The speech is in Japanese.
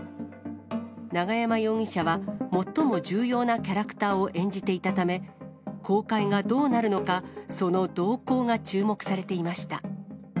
永山容疑者は、最も重要なキャラクターを演じていたため、公開がどうなるのか、その動向が注目されていました。